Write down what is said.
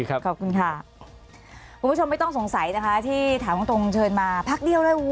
ขอบคุณกับความผิดความสนใสที่ถามตรงเพิ่มเชิญมาพักเดียวเลย